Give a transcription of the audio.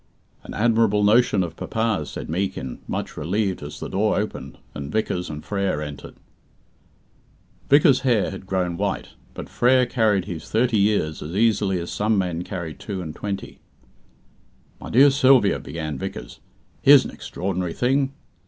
"An admirable notion of papa's," said Meekin, much relieved as the door opened, and Vickers and Frere entered. Vickers's hair had grown white, but Frere carried his thirty years as easily as some men carry two and twenty. "My dear Sylvia," began Vickers, "here's an extraordinary thing!"